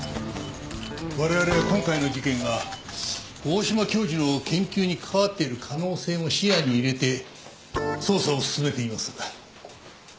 我々は今回の事件が大島教授の研究に関わっている可能性も視野に入れて捜査を進めています。